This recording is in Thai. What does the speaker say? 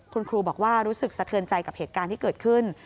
คุณครูบอกว่ารู้สึกสะเทือนใจกับเหตุการณ์ที่เกิดขึ้น